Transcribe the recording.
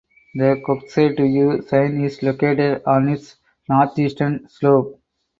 The Kokshetau Sign is located on its northeastern slope.